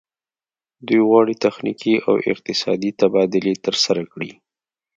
دوی غواړي تخنیکي او اقتصادي تبادلې ترسره کړي